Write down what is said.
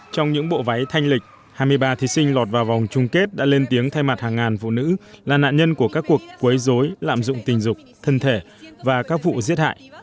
trong những bộ váy thanh lịch hai mươi ba thí sinh lọt vào vòng chung kết đã lên tiếng thay mặt hàng ngàn phụ nữ là nạn nhân của các cuộc quấy dối lạm dụng tình dục thân thể và các vụ giết hại